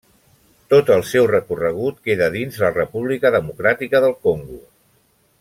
Tot el seu recorregut queda dins la República Democràtica del Congo.